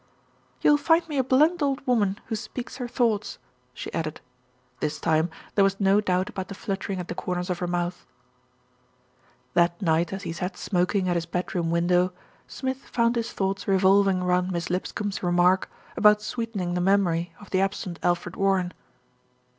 "You'll find me a blunt old woman, who speaks her thoughts," she added. This time there was no doubt about the fluttering at the cor ners of her mouth. That night as he sat smoking at his bedroom win dow, Smith found his thoughts revolving round Miss Lipscombe's remark about sweetening the memory of the absent Alfred Warren.